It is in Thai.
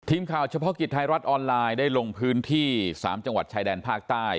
เฉพาะกิจไทยรัฐออนไลน์ได้ลงพื้นที่๓จังหวัดชายแดนภาคใต้